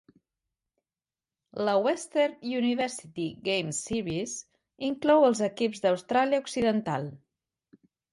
La Western University Games Series inclou els equips d'Austràlia Occidental.